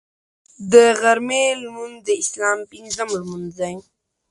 د غرمې لمونځ د اسلام پنځم لمونځ دی